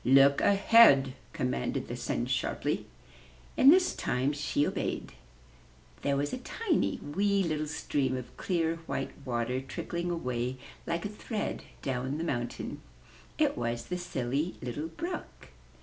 *'Look ahead/' commanded the Sun sharply. And this time she obeyed. There was a tiny, wee little stream of clear, white water trickling away like a thread down the mountain. It was the Silly Little Brook.